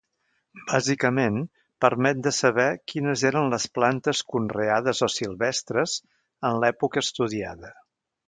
Bàsicament permet de saber quines eren les plantes conreades o silvestres en l'època estudiada.